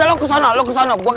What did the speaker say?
lu kesana lu kesana